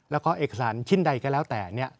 แล้วก็เอกสารชิ้นใดก็แล้วแต่